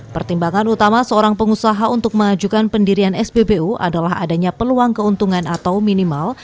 pertimbangan utama seorang pengusaha untuk mengajukan pendirian spbu adalah adanya peluang keuntungan atau minimal